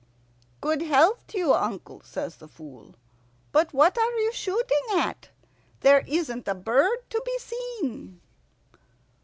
"Good health to you, uncle," says the Fool. "But what are you shooting at? There isn't a bird to be seen."